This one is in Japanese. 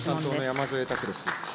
山添拓です。